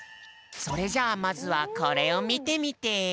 それじゃまずはこれを見てみて！